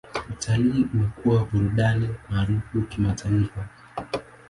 Utalii umekuwa burudani maarufu kimataifa.